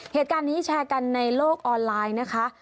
เหตุการณ์นี้แชร์กันในโลกออนไลน์นะคะ